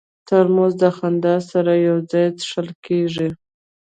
ترموز د خندا سره یو ځای څښل کېږي.